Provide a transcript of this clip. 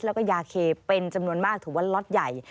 แล้วก็ยาเคเป็นจำนวนมากถือว่าล็อตใหญ่